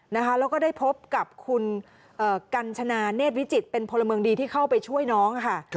แล้วก็ได้พบกับคุณกัญชนาเนธวิจิตเป็นพลเมืองดีที่เข้าไปช่วยน้องค่ะ